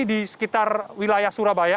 di sekitar wilayah surabaya